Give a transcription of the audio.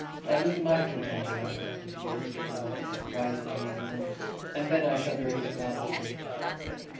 I've a little matter to attend to, Arthur," continued Mr. Irwine, rising to leave the room, "and then I shall be ready to set out with you."